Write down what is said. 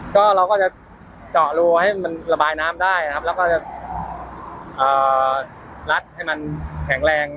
ก็เราก็จะเจาะรูให้มันระบายน้ำได้ครับแล้วก็จะรัดให้มันแข็งแรง